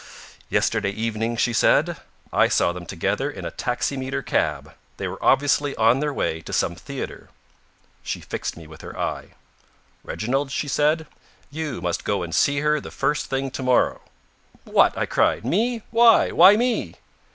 "Yesterday evening," she said, "I saw them together in a taximeter cab. They were obviously on their way to some theatre." She fixed me with her eye. "Reginald," she said, "you must go and see her the first thing to morrow." "What!" I cried. "Me? Why? Why me?"